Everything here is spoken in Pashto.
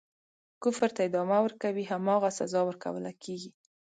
کفر ته ادامه ورکوي هماغه سزا ورکوله کیږي.